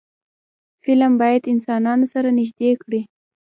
فلم باید انسانان سره نږدې کړي